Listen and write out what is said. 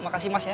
makasih mas ya